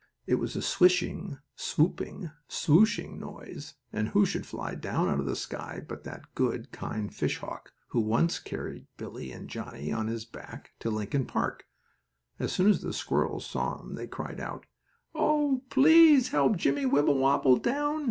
It was a swishing, swooping, swoshing noise, and who should fly down out of the sky but that good, kind fishhawk, who once carried Billie and Johnnie on his big back to Lincoln Park. As soon as the squirrels saw him they cried out: "Oh, please help Jimmie Wibblewobble down!